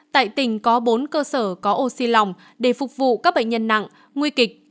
tại tỉnh có bốn cơ sở có oxy lòng để phục vụ các bệnh nhân nặng nguy kịch